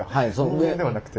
人間ではなくて。